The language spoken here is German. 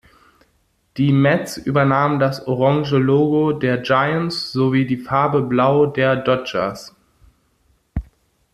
Die Mets übernahmen das orange Logo der Giants sowie die Farbe Blau der Dodgers.